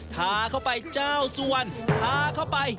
พาเข้าไปเจ้าสวรรค์พาเข้าไป